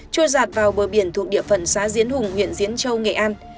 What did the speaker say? trôi giạt vào bờ biển thuộc địa phận xã diễn hùng huyện diễn châu nghệ an